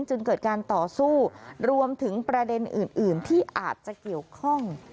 จึงเกิดการต่อสู้รวมถึงประเด็นอื่นที่อาจจะเกี่ยวข้อง